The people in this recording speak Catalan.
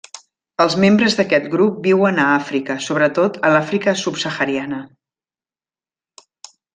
Els membres d'aquest grup viuen a Àfrica, sobretot a l'Àfrica subsahariana.